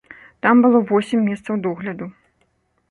Там было восем месцаў догляду.